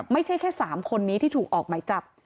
ไม่ใช่แค่๓คนนี้ที่ถูกออกหมายจับ